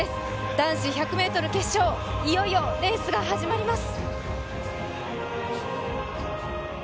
男子１００ｍ決勝、いよいよレースが始まります。